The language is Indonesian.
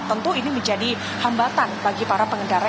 tentu ini menjadi hambatan bagi para pengendara